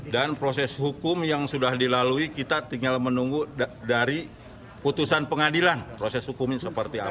dan proses hukum yang sudah dilalui kita tinggal menunggu dari putusan pengadilan proses hukumnya seperti apa